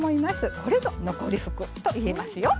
これぞ残り福と言えますよ。